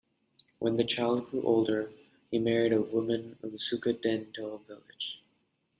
When that child grew older, he married a woman of Sukatendel village.